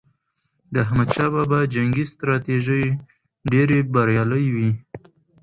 د احمد شاه بابا جنګي ستراتیژۍ ډېرې بریالي وي.